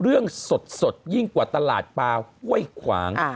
เรื่องสดยิ่งกว่าตลาดปลาห้วยขวาง